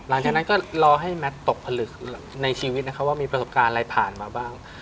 หลังจากนั้นก็รอให้แมทตกผลึกในชีวิตนะคะว่ามีประสบการณ์อะไรผ่านมาบ้าง